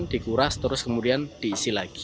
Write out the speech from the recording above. dikuras terus kemudian diisi lagi